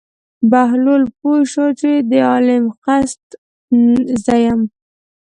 بهلول پوه شو چې د عالم قصد زه یم.